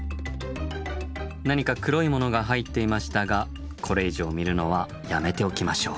何か黒いものが入っていましたがこれ以上見るのはやめておきましょう。